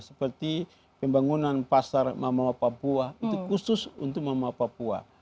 seperti pembangunan pasar mamawa papua itu khusus untuk mama papua